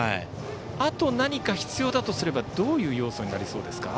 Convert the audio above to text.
あと何か必要だとすればどういう要素になりそうですか。